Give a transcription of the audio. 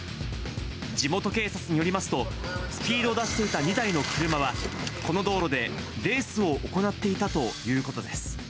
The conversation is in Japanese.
地元警察によりますと、スピードを出していた２台の車は、この道路でレースを行っていたということです。